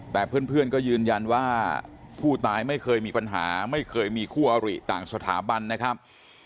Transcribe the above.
แต่เพื่อนก็ยืนยันว่าผู้ตายไม่เคยมีปัญหาไม่เคยมีคู่อริต่างสถาบันนะครับ